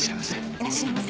いらっしゃいませ。